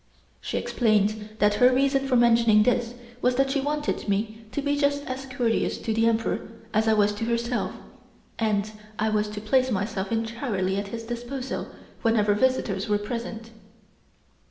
She explained that her reason for mentioning this was that she wanted me to be just as courteous to the Emperor as I was to herself, and I was to place myself entirely at his disposal whenever visitors were present.